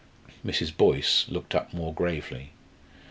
Mrs. Boyce looked up more gravely.